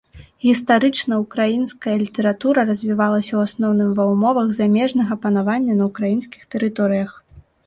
Гістарычна, украінская літаратура развівалася, у асноўным, ва ўмовах замежнага панавання на ўкраінскіх тэрыторыях.